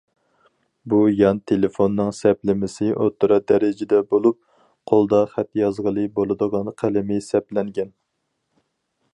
بۇ يان تېلېفوننىڭ سەپلىمىسى ئوتتۇرا دەرىجىدە بولۇپ، قولدا خەت يازغىلى بولىدىغان قەلىمى سەپلەنگەن.